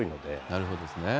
なるほどですね。